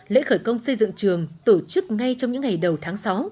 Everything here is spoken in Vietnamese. lễ khởi công xây dựng trường tổ chức ngay trong những ngày đầu tháng sáu